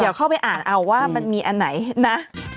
เดี๋ยวเข้าไปอ่านเอาว่ามันมีอันไหนนะ